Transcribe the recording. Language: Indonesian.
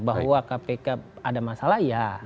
bahwa kpk ada masalah ya